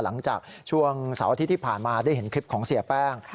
หลังจากช่วงเสาร์อาทิตย์ที่ผ่านมาได้เห็นคลิปของเสียแป้ง